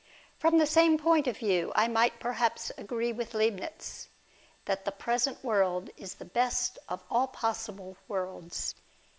Prom the same point of view, I might perhaps agree with Leibnitz, that the present world is the best of all possible worlds.